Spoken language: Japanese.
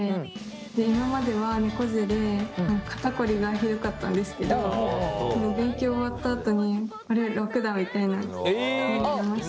今までは猫背で肩こりがひどかったんですけど勉強終わったあとに「あれ？楽だ」みたいになりました。